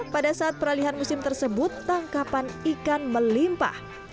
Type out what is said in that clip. pada saat peralihan musim tersebut tangkapan ikan melimpah